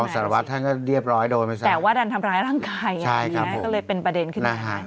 สารวัตรท่านก็เรียบร้อยโดนไปซะแต่ว่าดันทำร้ายร่างกายไงก็เลยเป็นประเด็นขึ้นมา